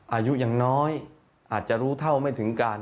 อายุยังน้อยอาจจะรู้เท่าไม่ถึงการ